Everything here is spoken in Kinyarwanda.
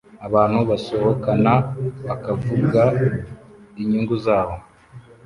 Abantu basohokana bakavuga inyungu zabo